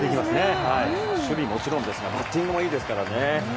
守備はもちろんですがバッティングもいいですよね。